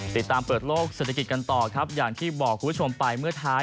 ติดตามเปิดโลกเศรษฐกิจกันต่อครับอย่างที่บอกคุณผู้ชมไปเมื่อท้าย